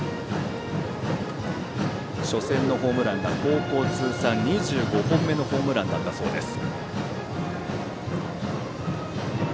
初戦のホームランが高校通算２５本目のホームランだったそうです。